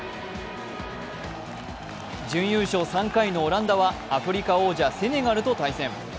準優勝３回のオランダはアフリカ王者・セネガルと対戦。